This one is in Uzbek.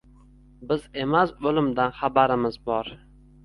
Biz emas o‘limdan xabarimiz bor